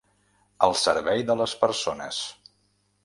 Al servei de les persones.